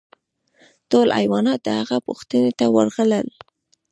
ټول حیوانات د هغه پوښتنې ته ورغلل.